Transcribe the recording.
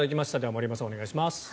森山さん、お願いします。